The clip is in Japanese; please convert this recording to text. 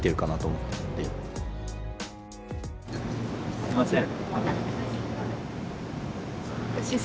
すみません。